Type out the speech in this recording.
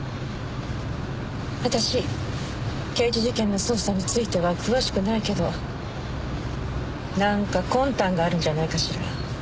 私刑事事件の捜査については詳しくないけどなんか魂胆があるんじゃないかしら？